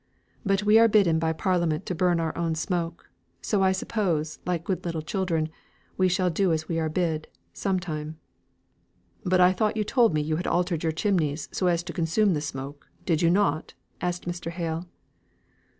"But we are bidden by parliament to burn our own smoke; so I suppose, like good little children, we shall do as we are bid some time." "But I think you told me you had altered your chimneys so as to consume the smoke, did you not?" asked Mr. Hale.